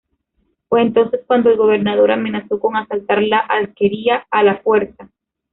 Fue entonces cuando el gobernador amenazó con asaltar la alquería a la fuerza.